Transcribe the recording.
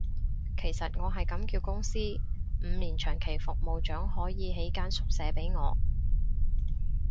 其實我係咁叫公司，五年長期服務獎可以起間宿舍畀我